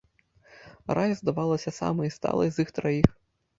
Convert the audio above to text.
Рая здавалася самай сталай з іх траіх.